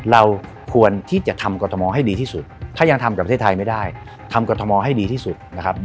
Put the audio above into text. เราควรที่จะทำกรทมให้ดีที่สุดถ้ายังทำกับประเทศไทยไม่ได้ทำกรทมให้ดีที่สุดนะครับ